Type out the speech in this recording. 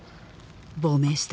亡命した